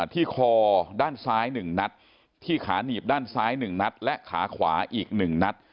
ที่คอด้านซ้าย๑นัดที่ขาหนีบด้านซ้าย๑นัดและขาขวาอีก๑นัด